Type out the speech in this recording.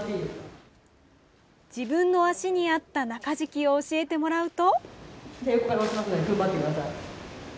自分の足に合った中敷きを教えてもらうと。